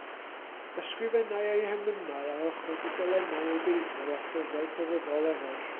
Ysgrifennai ei hemynau ar ochr dudalennau ei Beibl a llyfrau crefyddol eraill.